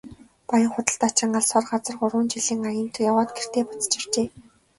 Баян худалдаачин алс хол газар гурван жилийн аянд яваад гэртээ буцаж иржээ.